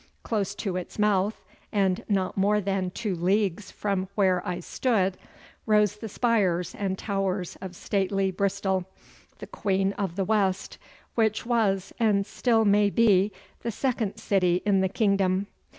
Close to its mouth, and not more than two leagues from where I stood, rose the spires and towers of stately Bristol, the Queen of the West, which was and still may be the second city in the kingdom.